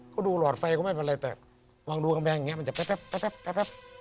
ก็ดูหลอดไฟก็ไม่เป็นไรแต่ลองดูกำแพงอย่างนี้มันจะแป๊บ